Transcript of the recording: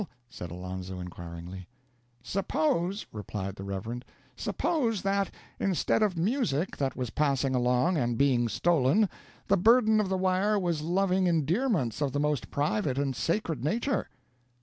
said Alonzo, inquiringly. "Suppose," replied the Reverend, "suppose that, instead of music that was passing along and being stolen, the burden of the wire was loving endearments of the most private and sacred nature?"